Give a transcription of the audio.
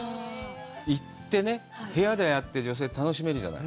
行って、部屋でああやって女性は楽しめるじゃない。